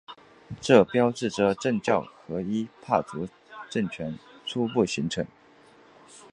这标志着政教合一的帕竹政权初步形成。